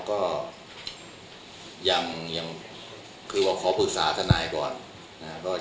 ก็ยังคือว่าขอปรุษาธนาคารก่อน